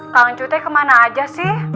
kang cuytek kemana aja sih